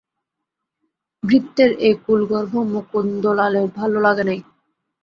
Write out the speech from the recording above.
ভৃত্যের এই কুলগর্ব মুকুন্দলালের ভালো লাগে নাই।